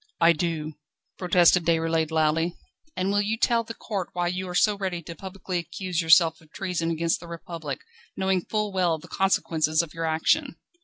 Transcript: "I do," protested Déroulède loudly. "And will you tell the court why you are so ready to publicly accuse yourself of treason against the Republic, knowing full well all the consequences of your action?"